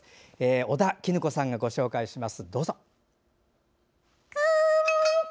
尾田衣子さんがご紹介します。